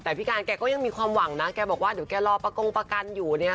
แต่พี่การแกก็ยังมีความหวังนะแกบอกว่าเดี๋ยวแกรอประกงประกันอยู่เนี่ย